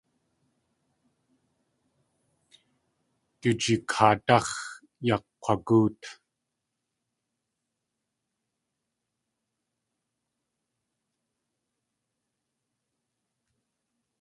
Du jikaadáx̲ yakg̲wagóot.